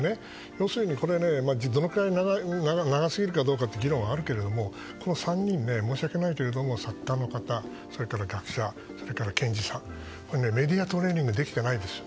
要するに、長すぎるかどうかという議論もあるけどもこの３人、申し訳ないけど作家の方それから学者、それから研究者メディアトレーニングをできてないんですよ。